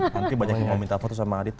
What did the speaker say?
nanti banyak yang mau minta foto sama adit